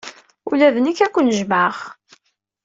Ula d nekk ad ken-jjmeɣ.